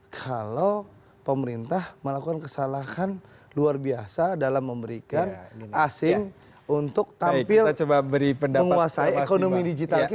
kalau pemerintah melakukan kesalahan luar biasa dalam memberikan asing untuk tampil menguasai ekonomi digital kita